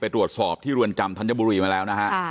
ไปตรวจสอบที่รวนจำท่านเจ้าบุรีมาแล้วนะฮะ